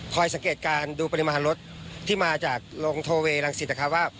สังเกตการณ์ดูปริมาณรถที่มาจากโรงโทเวรังสิตนะครับว่า